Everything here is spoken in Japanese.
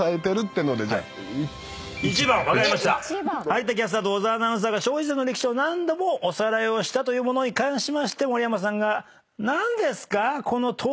有田キャスターと小澤アナウンサーが消費税の歴史を何度もおさらいしたものに関しまして盛山さんが。のときの顔。